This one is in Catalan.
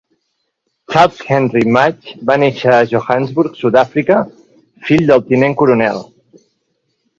Charles Henry Madge va néixer a Johannesburg, Sud-àfrica, fill del Tinent Coronel.